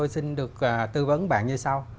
xin được tư vấn bạn như sau